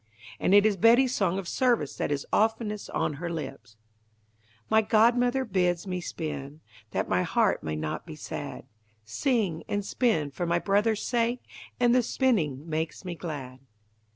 And it is Betty's song of service that is oftenest on her lips: "My godmother bids me spin, That my heart may not be sad; Sing and spin for my brother's sake, And the spinning makes me glad."